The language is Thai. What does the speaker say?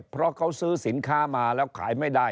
เพราะเขาซื้อสินค้ามาแล้วขายไม่ได้